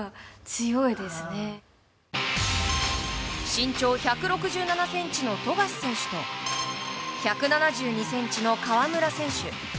身長１６７ｃｍの富樫選手と１７２ｃｍの河村選手。